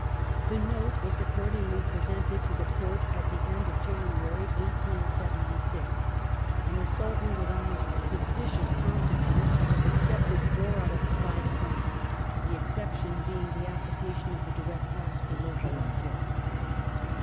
The Note was accordingly presented to the Porte at the end of Januaiy, 1876, and the Sultan, with almost suspicious promptitude, accepted four out of the five points — the exception being the appli cation of the direct taxes to local objects.